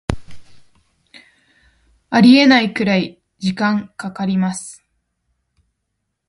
ありえないくらい時間かかります